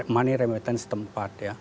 money remittance setempat ya